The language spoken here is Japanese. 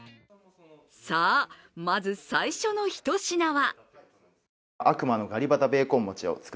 さあ、まず最初のひと品は？